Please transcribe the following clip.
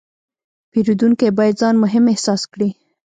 پیرودونکی باید ځان مهم احساس کړي.